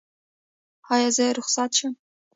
ایا زه رخصت شم؟